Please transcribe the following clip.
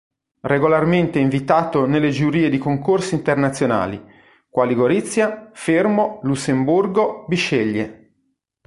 Regolarmente invitato nelle giurie di Concorsi Internazionali, quali Gorizia, Fermo, Lussemburgo, Bisceglie.